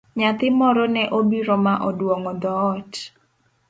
Nyathi moro ne obiro ma oduong'o dhoot.